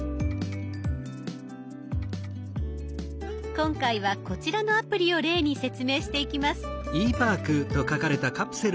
今回はこちらのアプリを例に説明していきます。